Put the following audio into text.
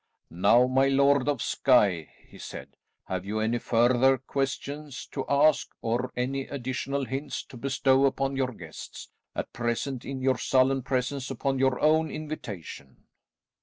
"Now, my Lord of Skye," he said, "have you any further questions to ask, or any additional hints to bestow upon your guests, at present in your sullen presence upon your own invitation?"